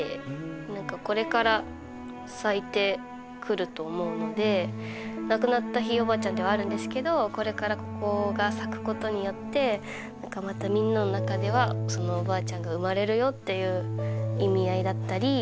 何かこれから咲いてくると思うので亡くなったひいおばあちゃんではあるんですけどこれからここが咲くことによって何かまたみんなの中ではおばあちゃんが生まれるよっていう意味合いだったり。